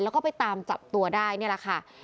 แล้วก็ไปตามจับตัวได้นี่แหละค่ะ